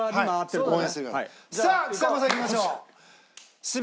さあちさ子さんいきましょう。